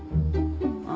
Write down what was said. あ？